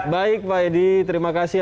baik pak edi terima kasih